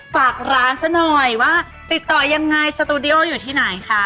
ฝากร้านซะหน่อยว่าติดต่อยังไงสตูดิโออยู่ที่ไหนคะ